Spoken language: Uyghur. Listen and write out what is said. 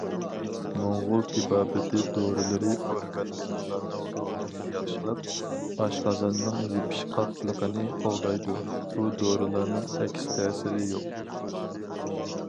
موڭغۇل تېبابىتى دورىلىرى ئورگانىزملارنىڭ رولىنى ياخشىلاپ، ئاشقازاننىڭ يېپىشقاقلىقىنى قوغدايدۇ، بۇ دورىلارنىڭ ئەكس تەسىرى يوق.